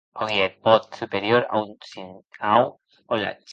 Auie eth pòt superior un shinhau holat.